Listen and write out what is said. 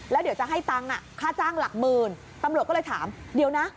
แล้วเดี๋ยวจะให้ตังค์ค่าจ้างหลักหมื่นตำรวจก็เลยถามเดี๋ยวนะ